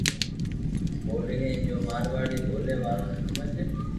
ڀولي ھي جو مارواڙي ٻوليا وارو ني ھمج